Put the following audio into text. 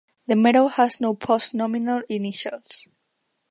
The medal has no post-nominal initials.